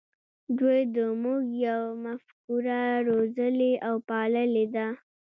دوی د "موږ یو" مفکوره روزلې او پاللې ده.